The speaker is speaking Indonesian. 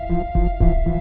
saya yang menang